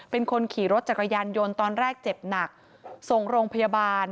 เป็นคนขี่รถจักรยานยนต์ตอนแรกเจ็บหนักส่งโรงพยาบาล